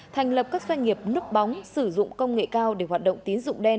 thành lập các doanh nghiệp núp bóng sử dụng công nghệ cao để hoạt động tín dụng đen